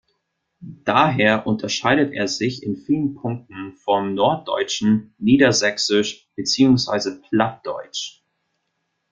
Daher unterscheidet er sich in vielen Punkten vom norddeutschen Niedersächsisch, beziehungsweise Plattdeutsch.